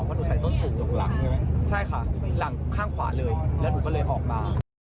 เพราะหนูใส่ต้นสูงตรงหลังใช่ไหมใช่ค่ะหลังข้างขวาเลยแล้วหนูก็เลยออกมา